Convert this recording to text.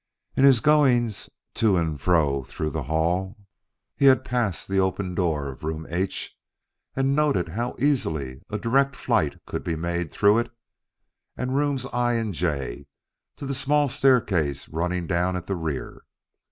In his goings to and fro through the hall, he had passed the open door of Room H and noted how easily a direct flight could be made through it and Rooms I and J to the small staircase running down at the rear.